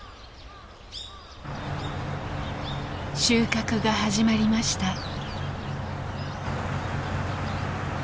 収穫が始まりました。